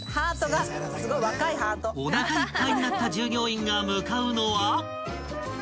［おなかいっぱいになった従業員が向かうのは］